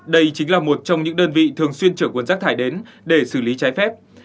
đây chính là một trong những đơn vị thường xuyên trưởng quân giác thải đến để xử lý trái phép